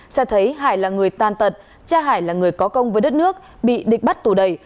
xét thấy hải là người tan tật cha hải là người có công với đất nước bị địch bắt tù đầy